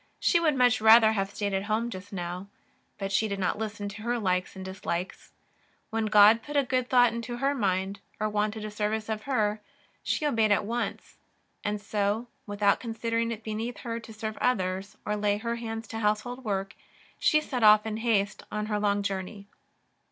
She would much rather have stayed at home just now, but she did not listen to likes and dislikes; when God put a good thought into her mind, or wanted a service of her, she obeyed at onc^. And so, w^ithout considering it beneath her to serve others, or lay her hands to household work, she set off in haste on her long journey.